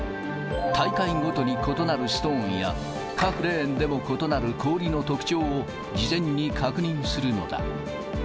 大会ごとに異なるストーンや、各レーンで異なる氷の特徴を、事前に確認するのだ。